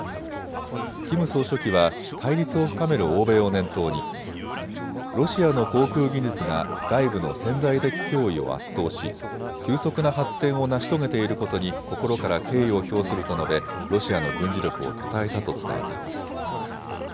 キム総書記は対立を深める欧米を念頭にロシアの航空技術が外部の潜在的脅威を圧倒し急速な発展を成し遂げていることに心から敬意を表すると述べロシアの軍事力をたたえたと伝えています。